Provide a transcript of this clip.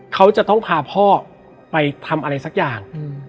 เขาจะต้องพาพ่อไปทำอะไรสักอย่าง